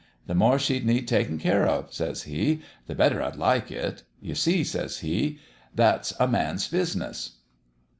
The more she'd need takin' care of,' says he, ' the better I'd like it. You see,' says he, ' that's a man's business!